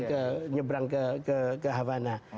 ke nyebrang ke havana